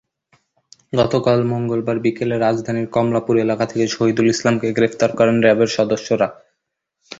গতকাল মঙ্গলবার বিকেলে রাজধানীর কমলাপুর এলাকা থেকে শহিদুল ইসলামকে গ্রেপ্তার করেন র্যাবের সদস্যরা।